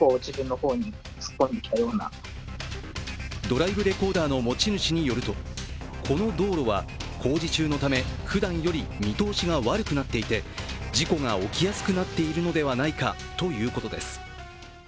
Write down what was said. ドライブレコーダーの持ち主によるとこの道路は工事中のためふだんより見通しが悪くなっていて事故が起きやすくなっているのではないかということです。